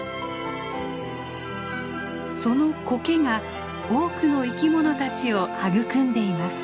そのコケが多くの生き物たちを育んでいます。